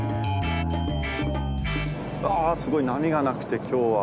ああすごい波がなくて今日は。